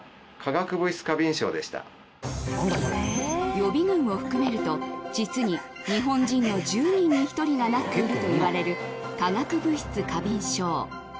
予備軍を含めると実に日本人の１０人に１人がなっていると言われる化学物質過敏症。